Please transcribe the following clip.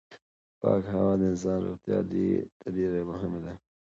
پاکه هوا د انسان روغتيا ته ډېره مهمه ده.